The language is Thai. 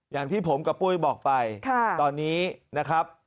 อย่างที่ผมกับปุ้ยบอกไปตอนนี้นะครับ